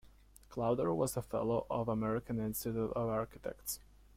Klauder was a Fellow of the American Institute of Architects.